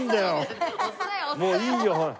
もういいよほら。